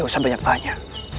aku akan menangkapmu